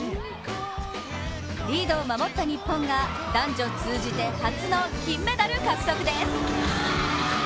リードを守った日本が男女通じて初の金メダル獲得です。